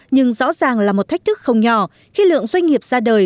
nhưng rõ ràng là một thách thức không nhỏ khi lượng doanh nghiệp ra đời